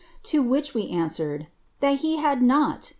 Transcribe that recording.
To which we answered, • that he had not